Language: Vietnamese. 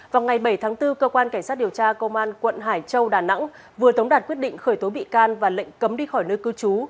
vào ngày bảy tháng bốn cơ quan cảnh sát điều tra công an quận hải châu đà nẵng vừa tống đạt quyết định khởi tố bị can và lệnh cấm đi khỏi nơi cư trú